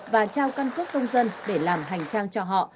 và trao căn cước công dân để làm hành trang cho họ